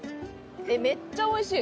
めっちゃおいしい。